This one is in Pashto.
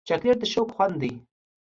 چاکلېټ د شوق خوند دی.